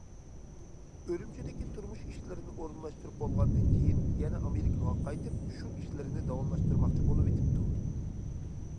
ئۈرۈمچىدىكى تۇرمۇش ئىشلىرىنى ئورۇنلاشتۇرۇپ بولغاندىن كېيىن، يەنە ئامېرىكىغا قايتىپ، شۇ ئىشلىرىنى داۋاملاشتۇرماقچى بولۇۋېتىپتۇ.